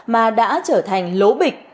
mà đã trở thành lố bịch